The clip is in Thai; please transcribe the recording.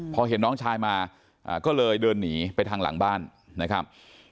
พอเห็นน้องชายมาก็เลยเดินหนีไปทางหลังบ้านนะครับ